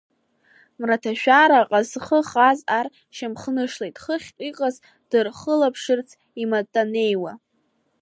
Мраҭашәараҟа зхы хаз ар шьамхнышлеит, хыхь иҟаз дырхылаԥшырц иматанеиуа.